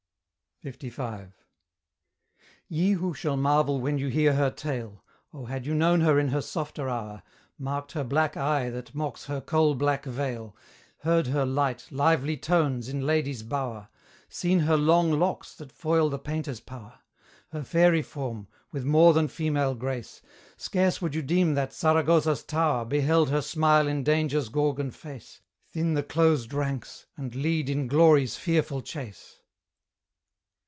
LV. Ye who shall marvel when you hear her tale, Oh! had you known her in her softer hour, Marked her black eye that mocks her coal black veil, Heard her light, lively tones in lady's bower, Seen her long locks that foil the painter's power, Her fairy form, with more than female grace, Scarce would you deem that Saragoza's tower Beheld her smile in Danger's Gorgon face, Thin the closed ranks, and lead in Glory's fearful chase.